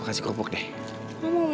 nanti aku mau makan aja